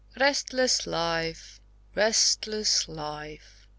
"RESTLESS life! restless life!"